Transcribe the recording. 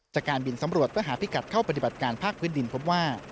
จากการบินสำรวจเพื่อหาพิกัดเข้าปฏิบัติการภาคพื้นดินพบว่า